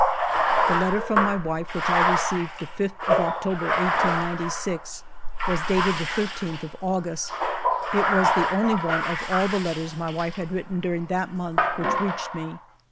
>> The letter from mv wife which I received the 5th of October, 1896, was dated the 13th of August; it was the only one of all the letters my wife had written during that month which reached me.